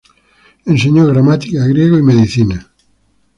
Enseñó gramática, griego, y medicina.